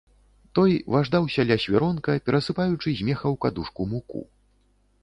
Той важдаўся ля свіронка, перасыпаючы з меха ў кадушку муку.